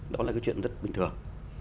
đó là cái chuyện rất bình thường